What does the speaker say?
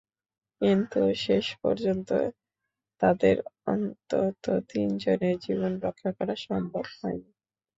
কিন্তু শেষ পর্যন্ত তাঁদের অন্তত তিনজনের জীবন রক্ষা করা সম্ভব হয়নি।